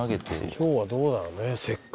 今日はどうだろうね。